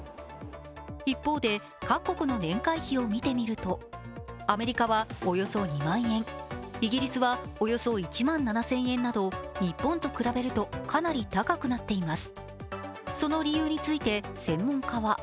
一方で、各国の年会費を見てみるとアメリカはおよそ２万円、イギリスはおよそ１万７０００円など日本と比べるとかなり高くなっています。